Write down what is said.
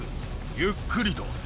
ゆっくりと。